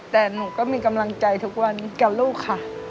แต่หนูก็มีกำลังใจทุกวันกับลูกค่ะ